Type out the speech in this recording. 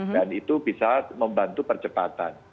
dan itu bisa membantu percepatan